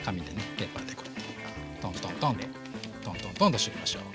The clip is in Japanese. ペーパーでこうやってトントントンとトントントンとしときましょう。